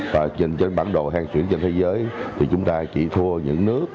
và nhìn trên bản đồ hen xuyển trên thế giới thì chúng ta chỉ thua những nước